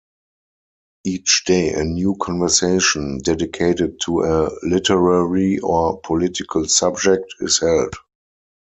Each day a new conversation, dedicated to a literary or political subject, is held.